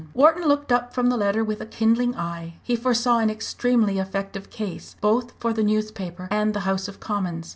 Wharton looked up from the letter with a kindling eye. He foresaw an extremely effective case, both for the newspaper and the House of Commons.